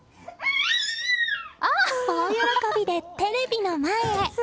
大喜びでテレビの前へ。